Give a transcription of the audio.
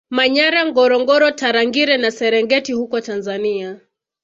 Manyara Ngorongoro Tarangire na Serengeti huko Tanzania